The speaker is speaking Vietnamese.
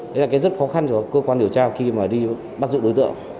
đấy là cái rất khó khăn cho cơ quan điều tra khi mà đi bắt giữ đối tượng